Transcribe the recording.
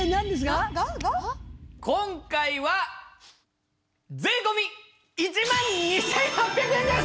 今回は税込１万２８００円です！